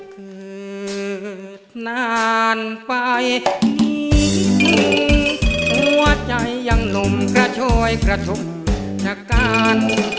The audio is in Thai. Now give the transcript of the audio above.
เกิดนานไปนี่หัวใจยังหนุ่มกระโชยกระทุกข์จากการ